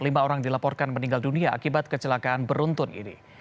lima orang dilaporkan meninggal dunia akibat kecelakaan beruntun ini